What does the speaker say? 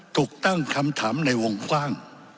ถูกตั้งคำถามในวงกว้าง